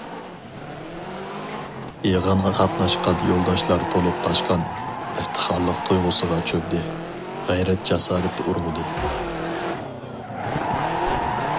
يىغىنغا قاتناشقان يولداشلار تولۇپ تاشقان ئىپتىخارلىق تۇيغۇسىغا چۆمدى، غەيرەت- جاسارىتى ئۇرغۇدى.